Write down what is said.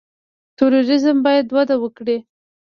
توریزم باید وده وکړي